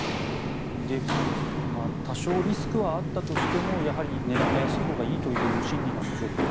デーブさん多少リスクはあったとしてもやはり値段が安いほうがいいという心理なんでしょうか。